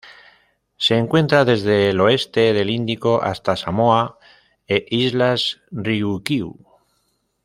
Se encuentra desde el oeste del Índico hasta Samoa e Islas Ryukyu.